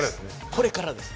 これからです。